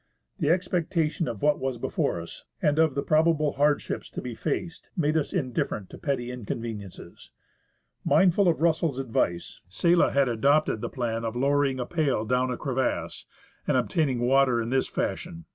The expectation of what was before us and of the probable hardships to be faced made us indifferent to petty inconveniences. Mindful of Russell's ad vice, Sella had adopted the plan of lowering a pail down a crevasse and obtaining water in this fashion.